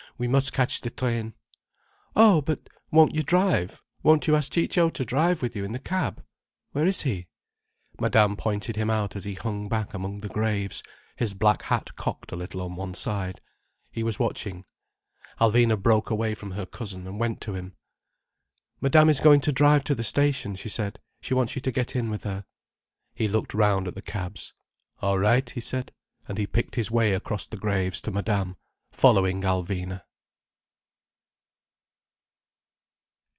We must catch the train." "Oh but—won't you drive? Won't you ask Ciccio to drive with you in the cab? Where is he?" Madame pointed him out as he hung back among the graves, his black hat cocked a little on one side. He was watching. Alvina broke away from her cousin, and went to him. "Madame is going to drive to the station," she said. "She wants you to get in with her." He looked round at the cabs. "All right," he said, and he picked his way across the graves to Madame, following Alvina.